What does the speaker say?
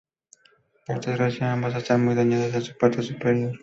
Por desgracia, ambas están muy dañadas en su parte superior.